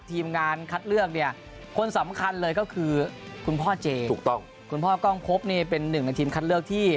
ทีมงานคัดเลือกเนี่ยคนสำคัญเลยก็คือคุณพ่อเจถูกต้องคุณพ่อกล้องพบนี่เป็นหนึ่งในทีมคัดเลือกที่